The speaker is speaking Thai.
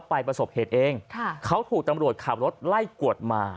ประสบเหตุเองเขาถูกตำรวจขับรถไล่กวดมา